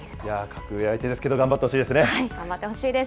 格上相手ですけど、頑張ってほしいですね。頑張ってほしいです。